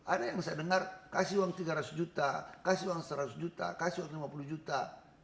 ada yang saya dengar kasih uang tiga ratus juta kasih uang seratus juta kasih uang lima puluh juta